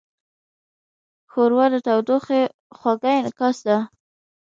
ښوروا د تودوخې خوږه انعکاس ده.